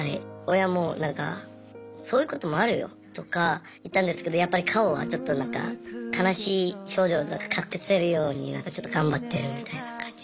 親もなんかそういうこともあるよとか言ったんですけどやっぱり顔はちょっとなんか悲しい表情を隠せるようになんかちょっと頑張ってるみたいな感じで。